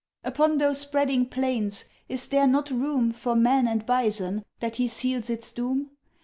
Upon those spreading plains is there not room For man and bison, that he seals its doom?